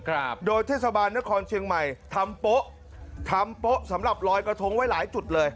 ครับโดยเทศบาลนครเชียงใหม่ทำโป๊ะทำโป๊ะสำหรับลอยกระทงไว้หลายจุดเลย